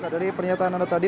dari pernyataan anda tadi